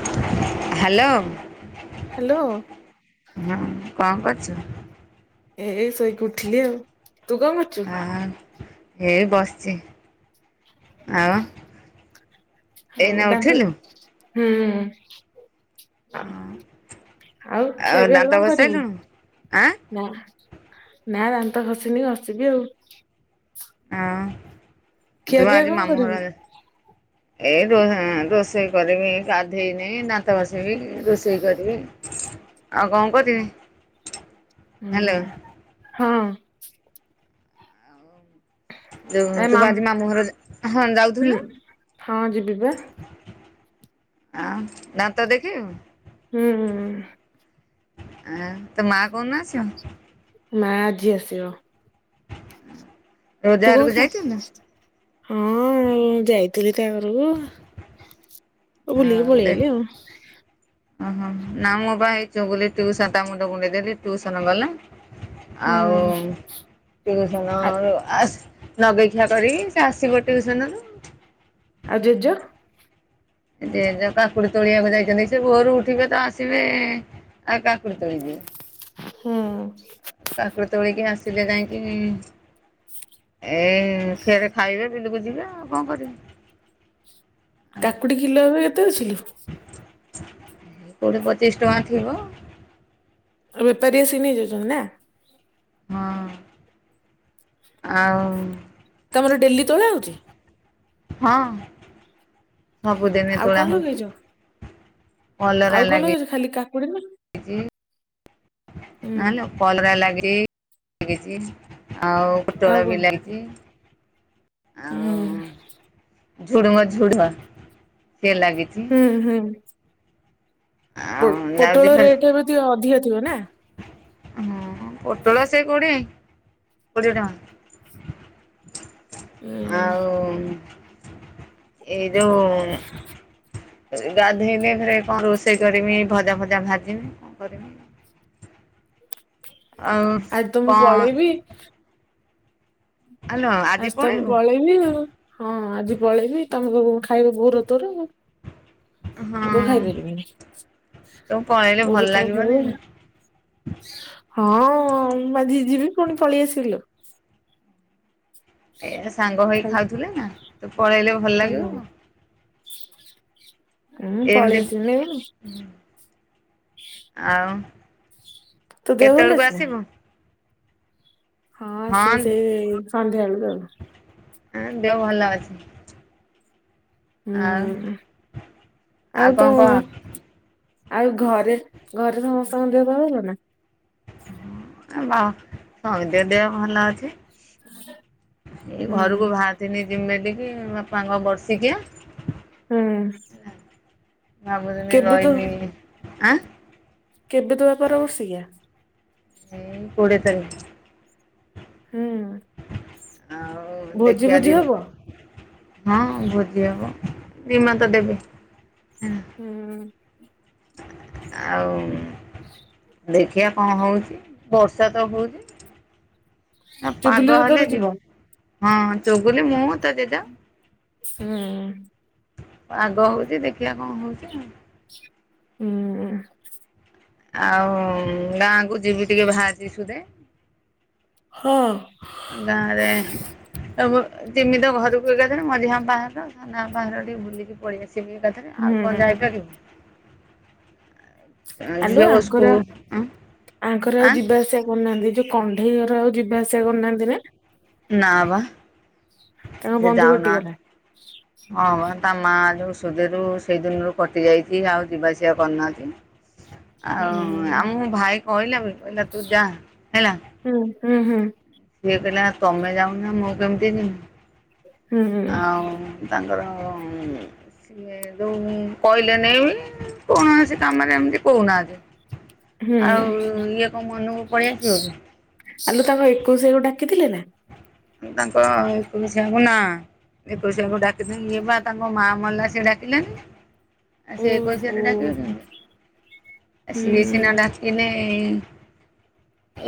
[unintelligible] Hello. Hello. ହୁଁ, କଣ କରୁଚୁ? ଏ ଏଇ ଶୋଇକି ଉଠିଲି ଆଉ, ତୁ କଣ କରୁଚୁ? ହଁ, ଏ ବସିଚି, ଆଉ ଏଇନା [unintelligible] ତାଙ୍କୁ ଉଠିଲୁ ହୁଁ। [unintelligible] ଆଉ ଖିଆ ପିଆ ଦାନ୍ତ କଣ କରିବି? ଘଷିସାଇଲୁଣୁ? ଆଁ ନା-ନା ଦାନ୍ତ ଘସିନି ଘସିବି ଆଉ। ହଁ ତୁ ବା ଖିଆପିଆ ଆଜି କଣ ମାମୁଁ ଘର କରିବୁ? ଆଡେ ଏଇ [unintelligible] ରୋଷେଇ କରିବି ଗାଧେଇନି ଦାନ୍ତ ଘସିବି ରୋଷେଇ କରିବି ଆଉ କଣ କରିବି ହାଲୋ? ହୁଁ ହଁ। ଯୋଉ ତୁ ବା ଆଜି ମାମୁଁ ଘର ଯା ହଁ ହୁଁ ଯାଉଥିଲୁ? ହଁ ଯିବି ବା ଆଉ ଦାନ୍ତ ଦେଖିଇବୁ? ହୁଁଁ। ଆଁ ତ ମାଆ କୋଉ ଦିନ ଆସିବ? ମା ଆଜି ଆସିବ। ରୋଜା ତୁ ଘରକୁ କଣ ଯାଇଥିଲୁ? [unintelligible] ବୁଲିକି ଆଉ ପଳେଇ ଦେଖ ଆଇଲି ଆଉ। ଓହୋ ନା ମୋ ଭାଇ ଚୁଗୁଲି ଟୁସନ୍ ତା ମୁଣ୍ଡ କୁଣ୍ଡେଇ ଦେଲି ଟୁସନ୍ ଗଲା। ଆଉ ହୁଁ ଟିଉସନ୍ ଆ ରୁ ଆସ୍ ନଗେଇ ଖିଆ କରି ସେ ଆସି ଗୋଟେ [unintelligible] ରୁ। ଆଉ ଜେଜ? ଜେଜ କାକୁଡି ତୋଳିଆକୁ ଯାଇଚନ୍ତି, ସେ ଭୋରୁ ଉଠିବେ ତ ଆସିବେ ଆ କାକୁଡି ତୋଳି ଯିବେ। ହୁଁ। କାକୁଡି ତୋଳିକି ଆସିଲେ ଯାଇଁକି ଏଇ ଫେରେ ଖାଇବେ ବିଲକୁ ଯିବେ ଆଉ କଣ କରିବେ। କାକୁଡି କିଲୋ ଏବେ ଏତେ ଅଛି ଲୋ? କୋଡିଏ ପଚିଶି ଟଙ୍କା ଥିବ। ଆଉ ବେପାରୀ ଆସି ନେଇ ଯାଉଚନ୍ତି ନା? ହଁ ଆଉ ତମର ଡେଲି ତୋଳା ହଉଚି? ହଁ। ସବୁଦିନେ ଆଉ ତୁଳା କଣ ହଉଚି, ଲଗେଇଛ? କଲରା ଲାଗି ଖାଲିି କା [unintelligible] [unintelligible] କଲରା ଲାଗି ଲାଗିଚି। ଆଉ ଆଉ [unintelligible] ବି କଣ? ଲାଗିଚି, ଆଉ ହୁଁ ଝୁଡୁଙ୍ଗ ଝୁଡୁଆ ସେ ଲାଗିଚି। ହୁଁ-ହୁଁ। ପୋ ଆଉ ଯାଉଛି ପୋଟଳ ଫେରେ ରେଟ୍ ଏବେ ଟିକେ ଅଧିକା ଥିବ ନା? ହଁ ପୋଟଳ ସେ [unintelligible] କୋଡିଏ ଟଙ୍କା। ହୁଁ ଆଉ ଏ ଯୋଉ ଗାଧେଇନି ଫେରେ କଣ ରୋଷେଇ [unintelligible] ଭଜା ଫଜା [unintelligible] [unintelligible] ଆଉ ଆଜି ତ ମୁଁ କଣ ପଳେଇବି। ଆଲୋ ଆଜି ତ ମୁଁ ପଳେଇବୁ ପଳେଇବି ଆଉ, ହଁ ଆଜି ପଳେଇବି ତମେ ସବୁ ଖାଇବ ବୋଉର ତୋର। ମୁଁ ତ ହଁ ଖାଇପାରିବିନି ତୁ ପଳେଇଲେ ଭଲ ବୋଉର ତୋର ଲାଗିବନି ଖାଇବ। ହଁ ମୁଁ ଆଜି ଯିବି ପୁଣି ପଳି ଆସିବି ଲୋ। ଏ ସାଙ୍ଗ ହେଇ ଖାଲି ଖାଉଥିଲେ ନା ତୁ ପଳେଇଲେ ଭଲ ହୁଁ ଲାଗିବ? ଉୁଁ ଏମିତି ପଳେଇଆସିମି। ଆଉ ତୋ ଦେହ ଭଲ କେତେବେଳକୁ ଅଛି ନା? ଆସିବୁ? ହଁ ଆସିବି ସେଇ ସନ୍ଧ୍ୟାବେଳୁ କୁ ଆଉ। ହଁ ଦେହ ଭଲ ଅଛି। ଆଉ ହୁଁ ଆଉ କଣ ତୋ କହ? ଆଉ ଘରେ ଘରେ ସମସ୍ତଙ୍କ ଦେହ ପା ଭଲ ନା? ବା ସମିତିଙ୍କ ଦେହ ଭଲ ଅଛି। ଏଇ ହୁଁ ଘରକୁ ଭାରିଥିନି ଯିମି ବୋଲିକି ବାପାଙ୍କ ବର୍ଷିକିଆ। ହୁଁ। ଭାବୁଥିନି କେବେ ତୋ ରହିମି ଆଁ? କେବେ ତୋ ବାପାର ବର୍ଷିକିଆ? ଏଇ କୋଡ଼ିଏ ତାରିକ୍। ହୁଁ। ଭୋଜି ଦେଖିଆ ଭୋଜି ଯିମି। ହବ? ହଁ ଭୋଜି ହବ ନିମନ୍ତ ଦେବେ। ହୁଁ। ଆଉ। ଦେଖିଆ କଣ ହଉଛି ବର୍ଷା ତ ହଉଛି। ପାଗ ଚୁବୁଲିର ତୋର ହେଲେ ଯିବ ହଁ ଚଗୁଲି ମୁଁ ତ ଜେଜ ହୁଁ ପାଗ ହଉଛି ଦେଖିବା କଣ ହଉଛି ଆଉ। ହୁଁ। ଆଉ ଗାଁକୁ ଯିବି ଟିକେ ଭାରିଛି ସୁଧେ। ହଁ। ଗାଁ ରେ ଏବ ଯିମି ତ ଘରକୁ ଏକାଥରେ ମଝିଆ ବାପା ଘର ସାନା ବାପା ଟିକେ ବୁଲିକି ପଳେଇଆସିବି। [unintelligible] ଆଉ କଣ ହୁଁ ଯାଇପାରିବୁ? ଆଲୁ ଝିଅ ଆଙ୍କର ସ୍କୁଲ ଆଙ୍କର ଆଉ ଆଁ ଯିବା ଆସିବା କରୁନାହାନ୍ତି ଯୋଉ କଣ୍ଢେଇ ଘର ଆଉ ଯିବା ଆସିବା କରିୁନାହାନ୍ତି ନା? ନା ବା ସେ ଯାଉନାହାନ୍ତି। ହ ହଁ ତା ମା ଯୋଉ ସୁଧିରୁ ସେଇ ଦିନରୁ କଟି ଯାଇଛି ଆଉ ଯିବା ଆସିବା କରିନାହାନ୍ତି। ହୁଁ ଆଉ ଆଉମ ଭାଇ କହିଲା ବି କହିଲା ତୁ ଯା ହେଲା ହୁଁ ହୁଁ ହୁଁ। ସିଏ କହିଲେ ତମେ ଯାଉନା ମୁଁ କେମିତି ହୁଁ ଯିବି ଆଉ ତାଙ୍କର ସିଏ ଯୋଉ କହିଲେ ନେଇ କୌଣସି କାମରେ ଏମିତି କହୁନାହାନ୍ତି। ହୁଁ ଆଉ ଇଏ କଣ ମନକୁ ପଳେଇ ଆସିବ କି? ଆଲୋ ତାଙ୍କ ଏକୋଇଶକୁ ଡାକିଥିଲେ ନା? ତାଙ୍କ ଏକୋଇଶିଆ କୁ ନା ଏକୋଇଶିଆ ଡାକିଥିନେ ଇଏ ବା ତାଙ୍କ ମାଆ ମଲା ସିଏ ଡାକିଲେନି। ଆଉ ସେ ଓହୋ ଏକୋଇଶିଆ ରେ ଡାକିବେ କେମତି? ଆ ହୁଁ ସିଏ ସିନା ଡାକିନେ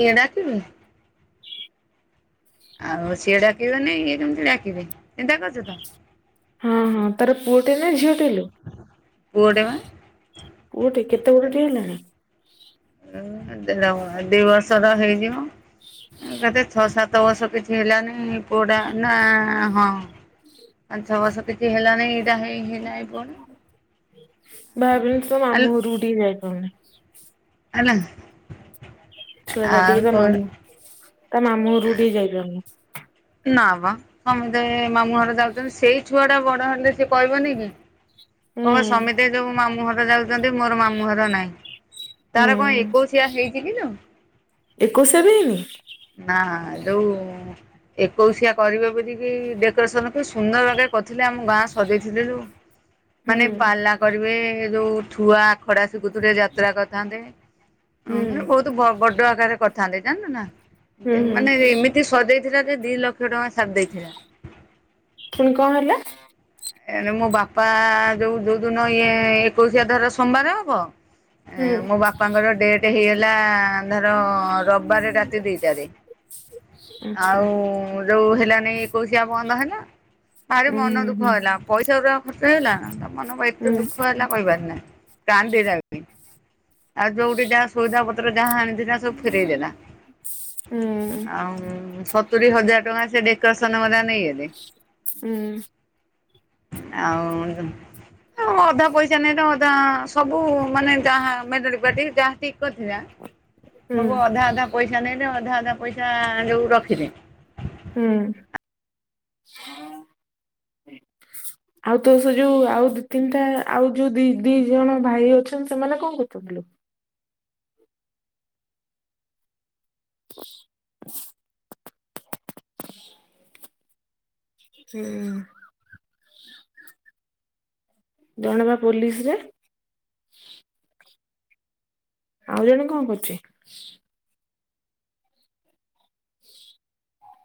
ଇଏ ଡାକିବେ। ଆଉ ସିଏ ଡାକିବନ ଇଏ କେମିତି ଡାକିବେ ଚିନ୍ତା କରୁଛ ତ ହଁ ହଁ ତାର ପୁଅଟେ ନା ଝିଅଟେ ଲୋ ପୁଅ ଟେ ବା। ପୁଅଟେ କେତେ ବଡ଼ ଟେଏ ହେଲାଣି। ହୁଁ ଦେଢବର୍ଷ ଦି ବର୍ଷର ହେଇଯିବ କେତେ ସାତ ବର୍ଷ କିଛି ହେଲାନି ପୁଅ ଟା ନା ହଁ ପାଞ୍ଚ ଛଅ ବର୍ଷ କିଛି ହେଲା ନାଇ ଏଇଟା ହେଲା ହେଇ ବର୍ଷ ଆଗ ସେଠିକି ଯାଇପାରୁନି। ହେଲା। ଛୁଆଟା ଆଉ ଟିକେ ତା ତୋ ମାମୁଁ ତା ମାମୁଁ ଘର କୁ ଟିକେ ଯାଇଛିନ୍ତି। ନା ବା ସମସ୍ତେ ମାମୁଁ ଘରେ ଯାଉଛନ୍ତି ସେଇ ଛୁଆ ଟା ବଡ ହେଲେ ସେ କହିବନି କି ହୁଁ କହିବ ସମସ୍ତେ ଯୋଉ ମାମୁଁ ଘର ଯାଉଛନ୍ତି। ମୋର ମାମୁଁ ଘର ନାଇଁ ତାର କଣ ହୁଁ ଏକୋଇଶିଆ ହେଇଛି କିଲ ଏକୋଇଶିଆ ବି ହେଇନି। ନାଁ ଯେଉଁ ଏକୋଇଶିଆ କରିବ ବୋଲିକି ଡେକୋରେସନକୁ ସୁନ୍ଦର ଭାଗେ କରିଥିଲେ ଆମ ଗାଁ ସଜେଇଥିଲୁ। [inaudible] ମାନେ ପାଲା କରିବେ ଯୋଉ ଛୁଆ ଆଖଡା ଶିଖୁଥିଲେ ଯାତ୍ରା କରିଥାନ୍ତେ। ହ ହୁଁ ମାନେ ବହୁତ ବଡ ଆକାରରେ କରିଥାନ୍ତେ ଜାଣିଲୁ ନା ହୁଁ ହୁଁ ଏମାନେ ଏମିତି ସଜେଇ ଥିଲା ଯେ ଦୁଇ ଲକ୍ଷ ଟଙ୍କା ସାର ଦେଇଥିଲା। ପୁଣି କଣ ହେଲା। ଏ ମୋ ବାପା ଯୋଉ ଯୋଉ ଦିନ ଇଏ ଏକୋଇଶିଆ ଧର ସୋମବାର ହବ ହୁଁ ମୋ ବାପାଙ୍କର ଡେଟ୍ ହେଇଗଲା ଧର ରବିବାର ରାତି ଦିଟାରେ ଆଚ୍ଛା। ଆଉ ଯୋଉ ହେଲାନାଇ କୋଇଶିଆ ବନ୍ଦ ହେଲା ବାହାରି ଉଁ ମନ ଦୁଃଖ ଦୁଖ ହୁଁ ହେଲା ପଇସା ପୁରା ଖର୍ଚ ହେଲା ତା ମନ ପାଇଁ ଏତେ ହୁଁ ଦୁଃଖ ହେଲା। କହିବାର ନାଇ କାଦି ଯାଉଛି ଆଉ ଯୋଉଠି ଯାହା ସଇଦା ପତ୍ର ଯାହା ଆଣିଛି ସବୁ ଫେରେଇ ଦେଲା ଉଁ ଆଉ ହୁଁ ସତୁରି ହଜାର ଟଙ୍କା ସେ ଡେକୋରେସନ ବାଲା ନେଇଗଲେ। ହୁଁ। ଆଉ ଅଧା ପଇସା ନାଇ ତ ଅଧା ସବୁ ମାନେ ଯାହା ମେଲଡି ପାଟି ଯାହା ଠିକ କରିଥିଲା ଉଁ ସବୁ ଅଧା ଅଧା ପଇସା ନଲେ ଅଧା ଅଧା ପଇସା ଯୋଉ ରଖିଲେ। ହୁଁ। ଆଉ ତୋ ସେ ଯୋଉ ଆଉ ଦି ତିନିଟା ଆଉ ଯୋଉ ଦି ଦିଅ ଜଣ ଭାଇ ଅଛନ୍ତି ସେମାନେ କଣ କରୁଛନ୍ତି [unintelligible] ହୁଁ ଜଣେ ବା ପୋଲିସ ରେ ଆଉ ଜଣେ କଣ କରୁଛି।